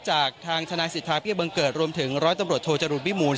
จากทางธนาศิษย์ภาคพิเศษบังเกิดรวมถึงร้อยตำรวจโทษจรุดวิมูล